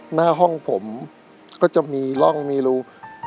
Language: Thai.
หน้าห้องผมก็จะมีร่องมีรู